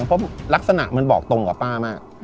เพราะลักษณะมันบอกตรงกับป้ามาก